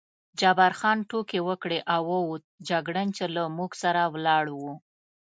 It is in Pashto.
جبار خان ټوکې وکړې او ووت، جګړن چې له موږ سره ولاړ و.